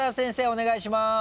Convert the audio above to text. お願いします。